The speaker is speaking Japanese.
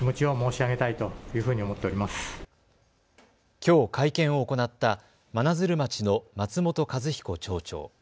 きょう会見を行った真鶴町の松本一彦町長。